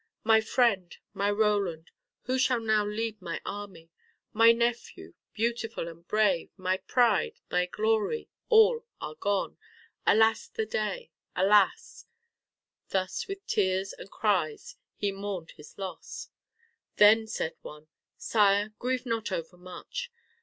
"My friend, my Roland, who shall now lead my army? My nephew, beautiful and brave, my pride, my glory, all are gone. Alas the day! alas!" Thus with tears and cries he mourned his loss. Then said one, "Sire, grieve not overmuch.